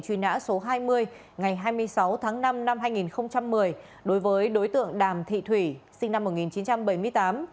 truy nã số hai mươi ngày hai mươi sáu tháng năm năm hai nghìn một mươi đối với đối tượng đàm thị thủy sinh năm một nghìn chín trăm bảy mươi tám